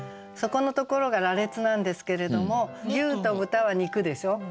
そこのところが羅列なんですけれども牛と豚は肉でしょ。